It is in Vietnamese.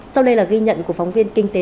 sau đây là ghi nhận của phóng viên kinh tế